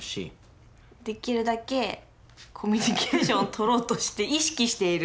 できるだけコミュニケーションをとろうとして意識している。